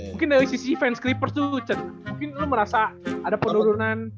mungkin dari sisi fans kripers tuh mungkin lo merasa ada penurunan